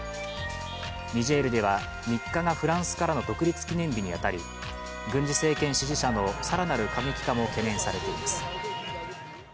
ニジェールでは３日がフランスからの独立記念日に当たり軍事政権支持者の更なる過激化も懸念されています。